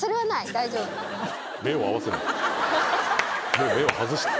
もう目を外した。